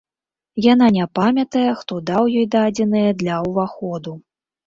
Яна не памятае, хто даў ёй дадзеныя для ўваходу.